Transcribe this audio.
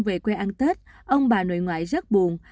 về quê ăn tết ông bà nội ngoại rất buồn